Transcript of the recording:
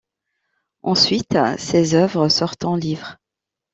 Ensuite, ses œuvres sortent en livres.